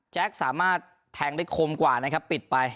สามารถแทงได้คมกว่านะครับปิดไป